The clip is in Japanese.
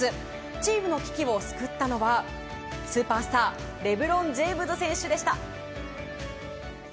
チームの危機を救ったのはスーパースターレブロン・ジェームズ選手でした。